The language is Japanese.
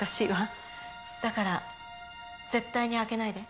だから絶対に開けないで。